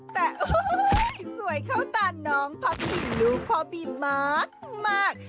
แต่สวยเข้าใต้น้องพ๊อปปี้รู้พอปปี้มาก